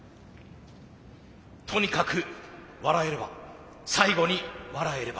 とにかく笑えれば最後に笑えれば。